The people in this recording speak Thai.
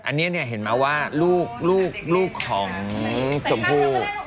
อันนี้เนี่ยเห็นไหมว่าลูกของชมพู่